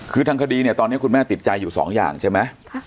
คือทางคดีเนี่ยตอนนี้คุณแม่ติดใจอยู่สองอย่างใช่ไหม